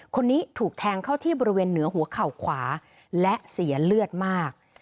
คนนี้ถูกแทงเข้าที่บริเวณเหนือหัวเข่าขวาและเสียเลือดมาก